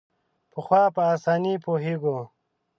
پخوا په اسانۍ پوهېږو.